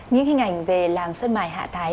những hình ảnh về làng sơn mài hạ thái